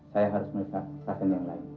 saya harus menulis sasaran yang lain